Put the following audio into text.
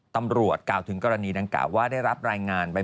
ตำรวจกล่าวถึงกรณีดังกล่าวว่าได้รับรายงานไป